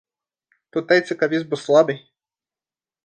Tu teici ka viss būs labi.